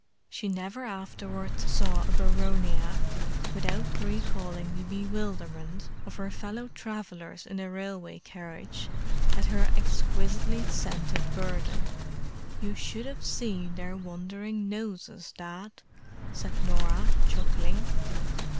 She never afterwards saw a boronia without recalling the bewilderment of her fellow travellers in the railway carriage at her exquisitely scented burden. "You should have seen their wondering noses, Dad!" said Norah, chuckling.